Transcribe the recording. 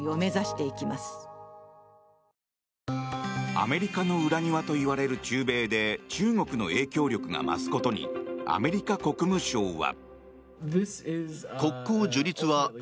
アメリカの裏庭といわれる中米で中国の影響力が増すことにアメリカ国務省は。